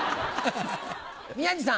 宮治さん。